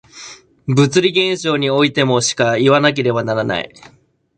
物理現象においてもしかいわなければならない。